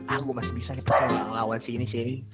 ah gue masih bisa nih pas ngelawan si ini si ini